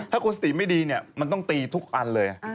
ถ้าคนสติไม่ดีเนี่ยมันต้องตีทุกอันเลย